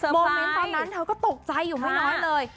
โมเมนต์ตอนนั้นเธอก็ตกใจอยู่ไม่น้อยเลย